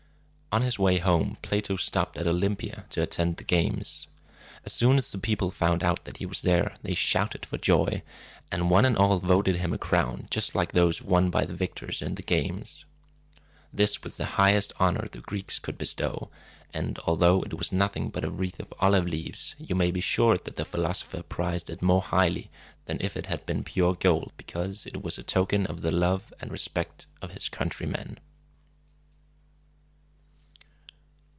On his way home, Plato stopped at Olympia to attend the games. As soon as the people found out that he was there, they shouted for joy; and one and all voted him a crown just like those won by the victors in the games. This was the highest honor the Greeks could bestow; and, although it was nothing but a wreath of olive leaves, you may be sure that the philosopher prized it more highly than if it had been of pure gold, because it was a token of the love and respect of his countrymen.